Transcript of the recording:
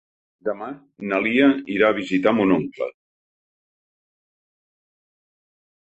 Demà na Lia irà a visitar mon oncle.